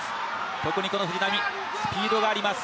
特にこの藤波、スピードがあります